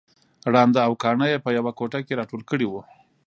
ړانده او کاڼه يې په يوه کوټه کې راټول کړي وو